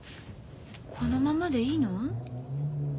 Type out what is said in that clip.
このままでいいの？